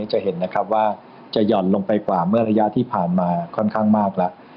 จะเห็นนะครับว่าจะหย่อนลงไปกว่าเมื่อระยะที่ผ่านมาค่อนข้างมากแล้ว